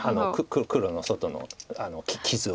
黒の外の傷は。